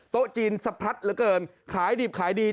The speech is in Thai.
โต๊ะจีนสะพรัดเหลือเกินขายดิบขายดี